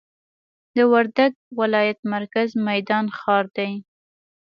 د وردګ ولایت مرکز میدان ښار دي.